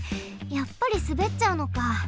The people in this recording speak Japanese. やっぱりすべっちゃうのか。